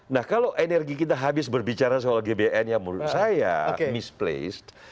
nah kalau energi kita habis berbicara soal gbn yang menurut saya misplace